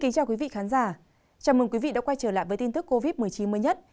chào mừng quý vị đã quay trở lại với tin tức covid một mươi chín mới nhất